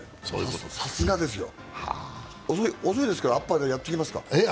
さすがですよ、遅いですがあっぱれあげときますか。